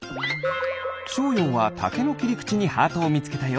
しょうようはタケのきりくちにハートをみつけたよ。